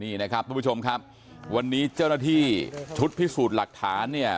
นี่นะครับทุกผู้ชมครับวันนี้เจ้าหน้าที่ชุดพิสูจน์หลักฐานเนี่ย